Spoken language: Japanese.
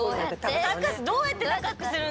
どうやって高くするの？